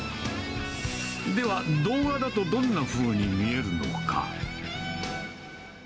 では、動画だとどんなふうに見えるのか。